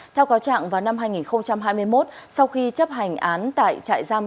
theo cáo trạng vào năm hai nghìn hai mươi một sau khi chấp hành án tại trại giam